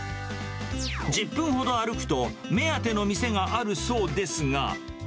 １０分ほど歩くと、目当ての店があるそうですが。